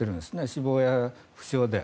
死亡や負傷で。